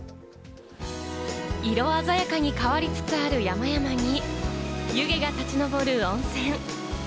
色鮮やかに変わりつつある山々に湯気が立ち上る温泉。